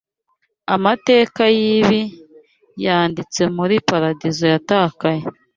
Amateka yibi yanditse muri Paradizo Yatakaye